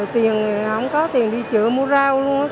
tiền không có tiền đi chữa mua rau luôn